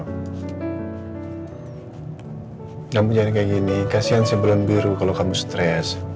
kamu jangan kayak gini kasihan si belon biru kalo kamu stres